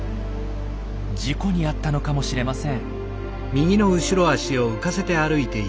事故に遭ったのかもしれません。